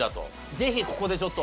ぜひここでちょっと。